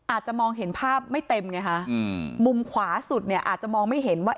อาจจะมองเห็นภาพไม่เต็มไงฮะอืมมุมขวาสุดเนี่ยอาจจะมองไม่เห็นว่า